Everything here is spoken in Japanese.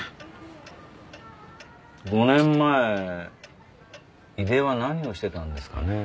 ５年前井出は何をしてたんですかね。